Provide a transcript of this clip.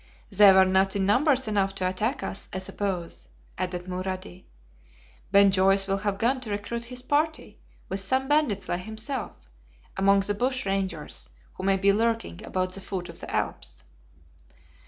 "They were not in numbers enough to attack us, I suppose," added Mulrady. "Ben Joyce will have gone to recruit his party, with some bandits like himself, among the bush rangers who may be lurking about the foot of the Alps."